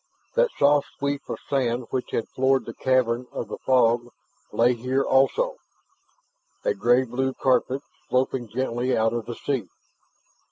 That soft sweep of sand which had floored the cavern of the fog lay here also, a gray blue carpet sloping gently out of the sea.